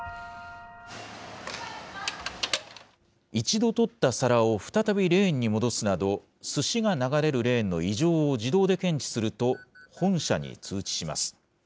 一度取った皿を再びレーンに戻すなど、すしが流れるレーンの異常を自動で検知すると、本社に通知します。